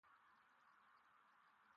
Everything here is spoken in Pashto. د اسلامي تعلمیاتو په صفحاتو کې هم.